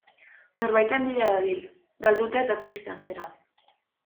Norbaiten bila dabil, galduta eta triste antzera.